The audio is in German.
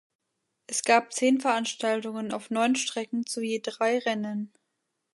Es gab zehn Veranstaltungen auf neun Strecken zu je drei Rennen.